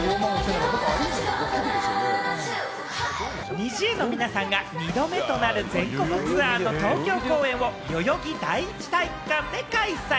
ＮｉｚｉＵの皆さんが２度目となる全国ツアーの東京公演を代々木第一体育館で開催。